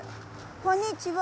こんにちは。